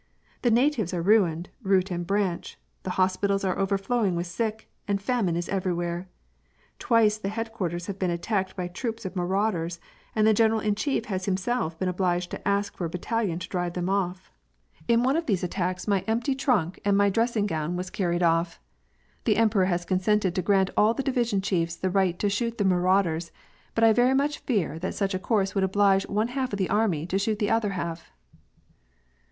The na tives are ruined, root and branch ; the hospitals are overflowing with sick* and famine is everywhere. Twice the headquarters have been attacked by troops of marauders, and the general in chief has himself been obliged to ask for a battalion to drive them off. In one of these * Biscuits, hard tack. WAR AND PEACE. 101 attacks my empty tnmk and my dressing gown was carried off. The em peror has consented to grant all the division chiefs the right to shoot the marauders, but I very much fear that such a course would oblige one half of the army to shoot the other half.